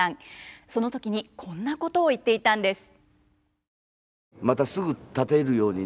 その時にこんなことを言っていたんです。